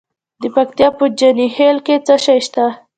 د پکتیا په جاني خیل کې څه شی شته؟